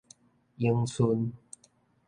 永春